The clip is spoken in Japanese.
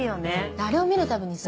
あれを見るたびにさ